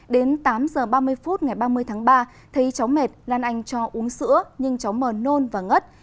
đến tám h ba mươi phút ngày ba mươi tháng ba thấy cháu mệt lan anh cho uống sữa nhưng cháu mờ nôn và ngất